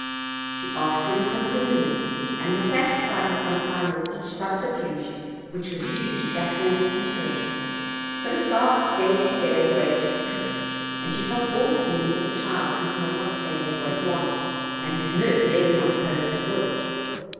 She asked for him continually, and was satisfied for some time with each subterfuge which was used to flatter or deceive her; but at last gayety gave way to caprice, and she felt all the humors of a child who has not obtained what it wants and whose nurse dares not oppose its will.